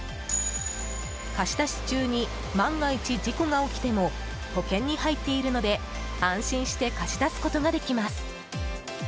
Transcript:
貸し出し中に万が一、事故が起きても保険に入っているので安心して貸し出すことができます。